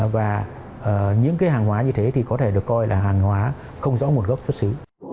và những hàng hóa như thế thì có thể được coi là hàng hóa không rõ nguồn gốc xuất xứ